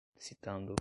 citando